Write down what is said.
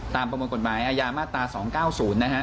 ประมวลกฎหมายอาญามาตรา๒๙๐นะฮะ